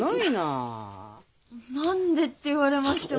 何でって言われましても。